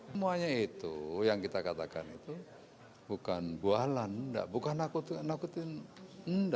semuanya itu yang kita katakan itu bukan bualan bukan nakutin